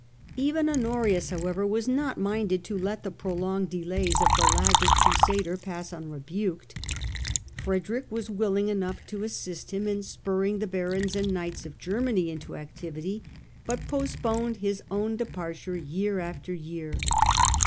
Even Honorius, however, was not minded to let the prolonged delays of the laggard Crusader pass unrebuked. Frederick was willing enough to assist him in spurring the barons and knights of Germany into activity, but post poned his own departure year after year.